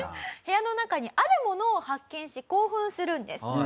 部屋の中にあるものを発見し興奮するんです。